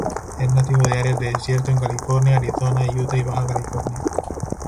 Es nativo de áreas de desierto en California, Arizona, Utah y Baja California.